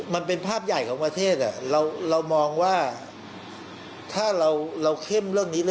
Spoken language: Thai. มันเป็นภาพใหญ่ของประเทศเรามองว่าถ้าเราเข้มเรื่องนี้